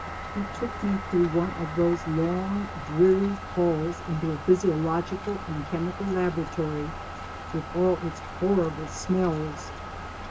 He took me through one of those long dreary halls into a physi ological and chemical laboratory, with all its hor rible smells.